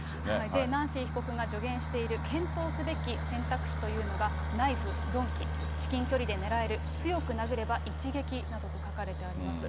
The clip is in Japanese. ナンシー被告が助言している、検討すべき選択肢というのが、ナイフ、鈍器、至近距離で狙える、強く殴れば一撃などと書かれてあります。